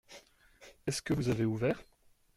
Est-ce que vous avez ouvert ?